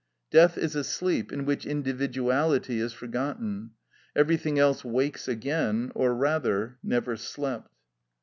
Death is a sleep in which individuality is forgotten; everything else wakes again, or rather never slept.